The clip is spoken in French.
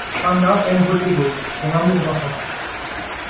Ana aime Rodrigo, son amour d'enfance.